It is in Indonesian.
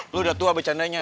lu udah tua bercandanya